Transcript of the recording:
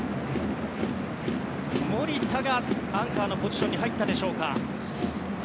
守田がアンカーのポジションに入ったでしょうか。